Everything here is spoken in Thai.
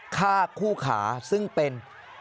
ฆ่าคู่ขาซึ่งเป็น